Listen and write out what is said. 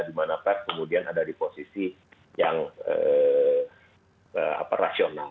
dimana pers kemudian ada di posisi yang rasional